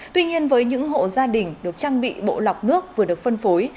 tuy nhiên với những hộ gia đình được trang bị bộ lọc nước vừa được phân phối